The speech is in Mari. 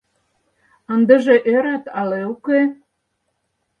Ындыже ӧрат але уке?